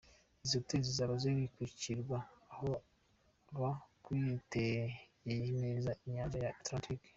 Izi hoteli zizaba ziri ku kirwa aho uba witegeye neza Inyanja ya Atlantique.